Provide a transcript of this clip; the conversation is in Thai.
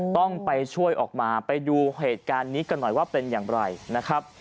ต้องไปช่วยออกมาไปดูเหตุการณ์นี้กันหน่อยว่าเป็นอย่างไรนะครับ